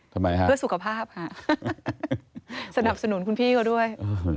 ทำไมฮะเพื่อสุขภาพค่ะสนับสนุนคุณพี่เขาด้วย